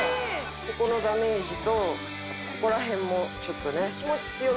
ここのダメージとあとここら辺もちょっとね。